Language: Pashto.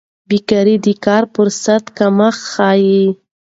بیکاري د کار فرصت کمښت ښيي.